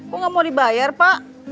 bu enggak mau dibayar velg